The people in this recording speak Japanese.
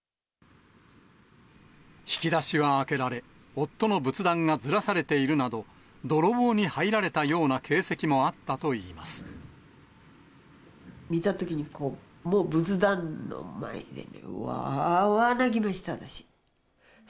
引き出しは開けられ、夫の仏壇がずらされているなど、泥棒に入られたような形跡もあったとい見たときに、もう仏壇の前で、わーわー泣きました、私。